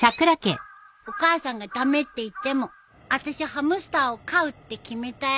お母さんが駄目って言ってもあたしゃハムスターを飼うって決めたよ！